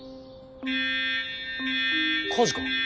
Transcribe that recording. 火事か？